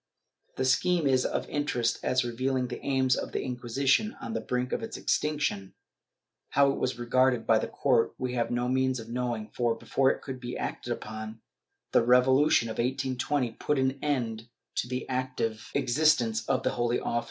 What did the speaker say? The scheme is of interest as revealing the aims of the Inquisition on the brink of its extinction. How it was regarded by the court we have no means of knowing for, before it could be acted upon, the Revolution of 1820 put an end to the active existence of the Holy Office.